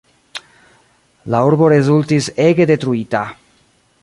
La urbo rezultis ege detruita.